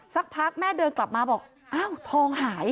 สักพักแม่เดินกลับมาบอกอ้าวทองหาย